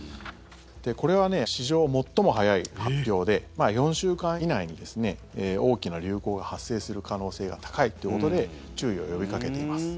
これは史上最も早い発表で４週間以内に大きな流行が発生する可能性が高いということで注意を呼びかけています。